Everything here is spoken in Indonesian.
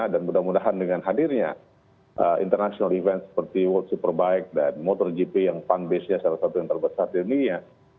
dan mudah mudahan dengan hadirnya international event seperti world superbike dan motorgp yang fund basednya salah satu yang terbesar di dunia